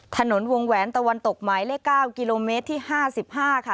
ถนนวงแหวนตะวันตกไม้เลขเก้ากิโลเมตรที่ห้าสิบห้าค่ะ